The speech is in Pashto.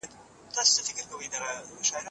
پيغمبر په خپلو پرېکړو کي عدل ته لومړیتوب ورکړ.